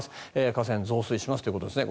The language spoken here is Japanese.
河川が増水しますということですね。